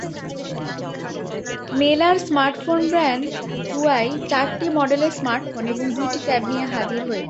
মেলার smartphone brand Huawei চারটি মডেলের স্মার্টফোন এবং দুইটি ট্যাব নিয়ে হাজির হয়েছে।